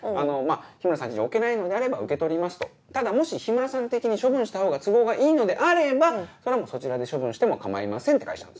日村さん家に置けないのであれば受け取りますとただもし日村さん的に処分したほうが都合がいいのであればそれはもうそちらで処分しても構いませんって返したんです。